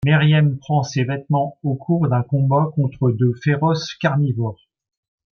Meriem perd ses vêtements au cours d'un combat contre de féroces carnivores.